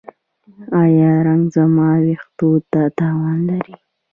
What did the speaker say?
ایا رنګ زما ویښتو ته تاوان لري؟